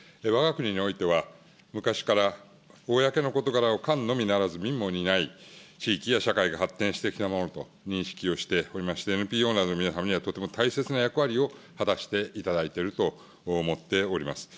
わが国においては、昔から公のことを官のみならず、民も担いながら社会が発展してきたものと、認識をしておりまして、ＮＰＯなどの皆さんには、とても大切な役割を果たしていただいていると思っております。